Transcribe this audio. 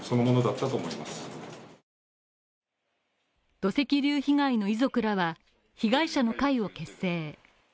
土石流被害の遺族らは、被害者の会を結成。